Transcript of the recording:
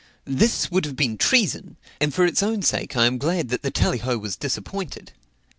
This would have been treason; and for its own sake I am glad that the Tallyho was disappointed."